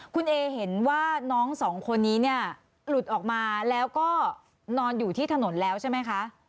คุณเอเห็นว่าน้องสองคนนี้เนี่ยหลุดออกมาแล้วก็นอนอยู่ที่ถนนแล้วใช่ไหมคะ